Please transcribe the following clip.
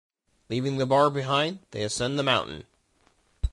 Leaving the bar behind, they ascend the mountain.